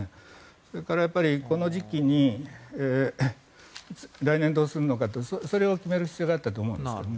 それからこの時期に来年どうするのかってそれを決める必要があったと思うんですよね。